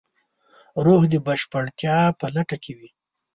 روح د بشپړتیا په لټه کې وي.